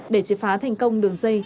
để chế phá thành công đường dây